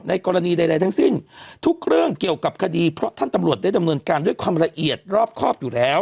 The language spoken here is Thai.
กรณีใดทั้งสิ้นทุกเรื่องเกี่ยวกับคดีเพราะท่านตำรวจได้ดำเนินการด้วยความละเอียดรอบครอบอยู่แล้ว